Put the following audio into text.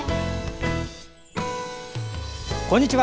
こんにちは。